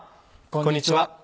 こんにちは。